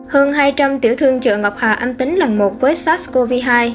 hơn hai trăm linh tiểu thương chợ ngọc hà âm tính lần một với sars cov hai